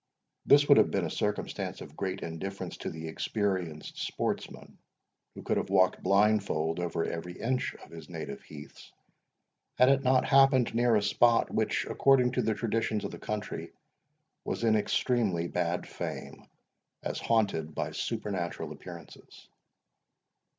This would have been a circumstance of great indifference to the experienced sportsman, who could have walked blindfold over every inch of his native heaths, had it not happened near a spot, which, according to the traditions of the country, was in extremely bad fame, as haunted by supernatural appearances.